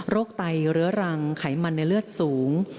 ไตเรื้อรังไขมันในเลือดสูง